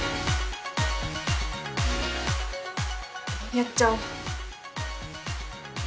やっちゃおう。